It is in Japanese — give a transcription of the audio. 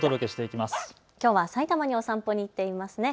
きょうはさいたまにお散歩に行っていますね。